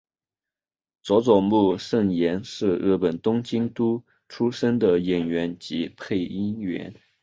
佐佐木胜彦是日本东京都出身的演员及配音员。